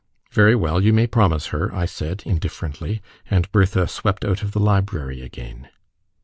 "Very well; you may promise her," I said, indifferently, and Bertha swept out of the library again.